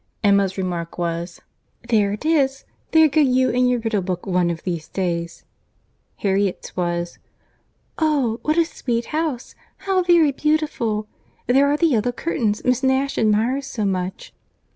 —Emma's remark was— "There it is. There go you and your riddle book one of these days."—Harriet's was— "Oh, what a sweet house!—How very beautiful!—There are the yellow curtains that Miss Nash admires so much."